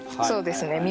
そうですね